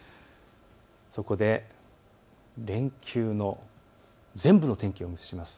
そこで連休の全部の天気を見ます。